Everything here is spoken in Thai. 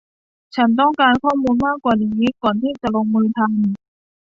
ฉันต้องการข้อมูลมากกว่านี้ก่อนที่จะลงมือทำ